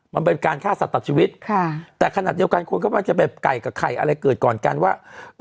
มันเป็นการฆ่าสัตว์ตัดชีวิตแต่ขนาดเดียวกันคนก็มักจะไปไก่กับไข่อะไรเกิดก่อนกันว่า